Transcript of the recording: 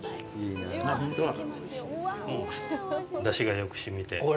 出汁がよくしみて。